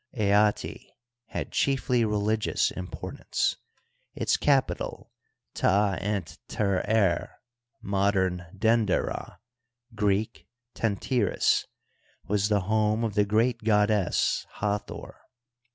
Aatz hsid chiefly religious importance ; its capital, Ta ent terer (modem Vender ah, Greek Tentyris), was the home of the great goddess Ha thor.